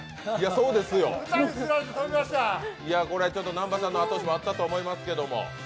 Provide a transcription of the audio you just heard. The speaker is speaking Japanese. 南波さんの後押しもあったと思いますけれども。